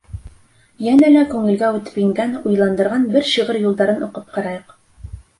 Йәнә лә күңелгә үтеп ингән, уйландырған бер шиғыр юлдарын уҡып ҡарайыҡ.